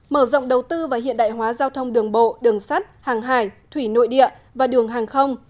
mở rộng đầu tư và hiện đại hóa giao thông đường bộ đường sắt hàng hải thủy nội địa và đường hàng không